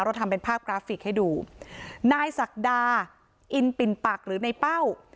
ทำเป็นภาพกราฟิกให้ดูนายศักดาอินปิ่นปักหรือในเป้า